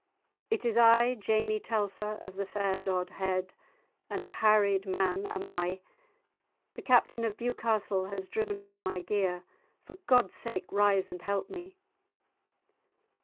"It is I, Jamie Telfer, of the fair Dodhead, and a harried man am I. The Captain of Bewcastle has driven away my gear; for God's sake rise and help me."